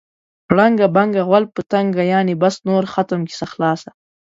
ړنګه بنګه غول په تنګه. یعنې بس نور ختم، کیسه خلاصه.